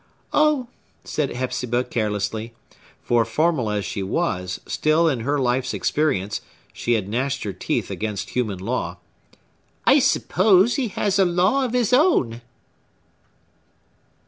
"Oh!" said Hepzibah carelessly,—for, formal as she was, still, in her life's experience, she had gnashed her teeth against human law,—"I suppose he has a law of his own!"